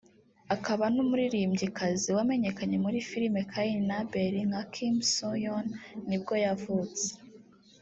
akaba n’umuririmbyikazi wamenyekanye muri filime Cain and Abel nka Kim Seo-yeon nibwo yavutse